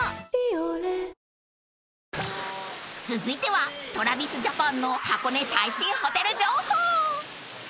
［続いてはＴｒａｖｉｓＪａｐａｎの箱根最新ホテル情報］